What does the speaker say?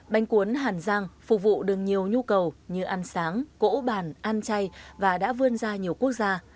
bánh cuốn hàn giang phục vụ được nhiều nhu cầu như ăn sáng cỗ bàn ăn chay và đã vươn ra nhiều quốc gia